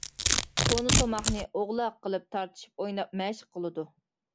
كونا تۇماقنى «ئوغلاق» قىلىپ تارتىشىپ ئويناپ مەشىق قىلىدۇ.